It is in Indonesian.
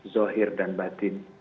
zuhir dan batin